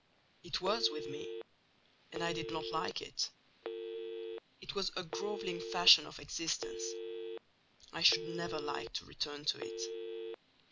"It was with me; and I did not like it. It was a grovelling fashion of existence: I should never like to return to it.